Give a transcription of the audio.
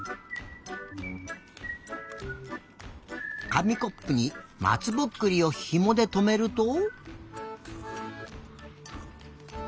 かみコップにまつぼっくりをひもでとめると。